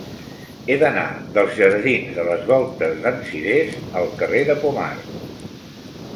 He d'anar dels jardins de les Voltes d'en Cirés al carrer de Pomar.